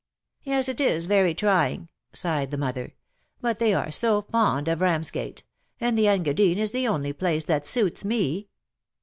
'''Yes_, it is very trying!" sighed the mother; '* hut they are so fond of Ramsgate ; and the Engadine is the only place that suits me."